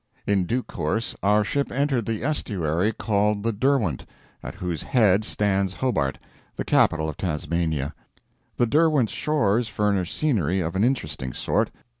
In due course our ship entered the estuary called the Derwent, at whose head stands Hobart, the capital of Tasmania. The Derwent's shores furnish scenery of an interesting sort.